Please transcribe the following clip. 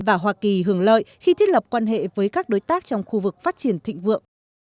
và hoa kỳ hưởng lợi khi thiết lập quan hệ với các đối tác trong khu vực phát triển thịnh vượng